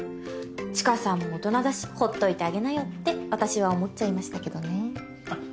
知花さんも大人だしほっといてあげなよって私は思っちゃいましたけどね。